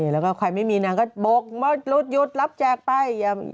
แล้วก็ใครไม่มีนางก็บอกว่ารถหยุดรับแจกไป